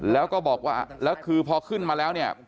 แล้วก็บอกว่าแล้วคือพอขึ้นมาแล้วเนี่ย